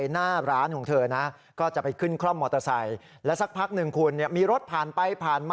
หนูว่าซ่อนโทรศัพท์ปุ๊บหนูว่าเข้ามาในบ้าน